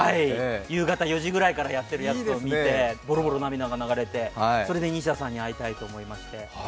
夕方４時くらいからやってるのを見てボロボロ涙が流れてそれで西田さんに会いたいと思いまして。